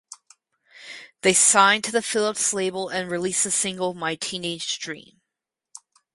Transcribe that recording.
They signed to the Philips label and released the single "My Teenage Dream".